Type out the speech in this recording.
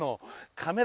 カメラ